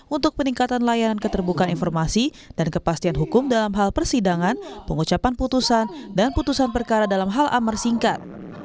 untuk peningkatan layanan keterbukaan informasi dan kepastian hukum dalam hal persidangan pengucapan putusan dan putusan perkara dalam hal amar singkat